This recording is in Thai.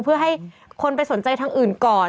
เพื่อให้คนไปสนใจทางอื่นก่อน